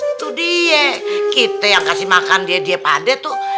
itu dia kita yang kasih makan dia dia pada tuh